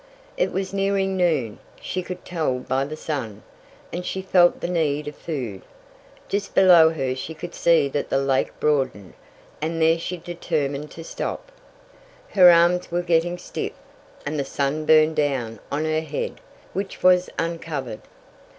It was nearing noon, she could tell by the sun, and she felt the need of food. Just below her she could see that the lake broadened, and there she determined to stop. Her arms were getting stiff, and the sun burned down on her head, which was uncovered.